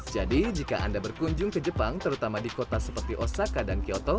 jadi jika anda berkunjung ke jepang terutama di kota seperti osaka dan kyoto